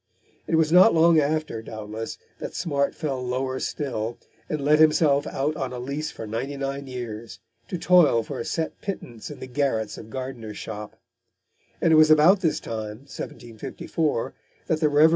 It was not long after, doubtless, that Smart fell lower still, and let himself out on a lease for ninety nine years, to toil for a set pittance in the garrets of Gardner's shop; and it was about this time, 1754, that the Rev. T.